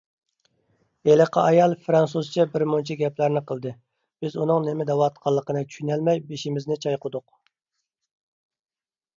ھېلىقى ئايال فىرانسۇزچە بىرمۇنچە گەپلەرنى قىلدى. بىز ئۇنىڭ نېمە دەۋاتقانلىقىنى چۈشىنەلمەي بېشىمىزنى چايقىدۇق.